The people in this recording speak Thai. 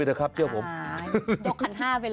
บวกหันห้าไปเลยนะนะคะ